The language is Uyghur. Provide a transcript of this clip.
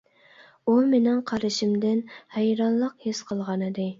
ئۇ مېنىڭ قارىشىمدىن ھەيرانلىق ھېس قىلغانىدى.